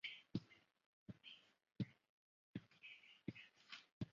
现任立委为民主进步党籍的苏巧慧。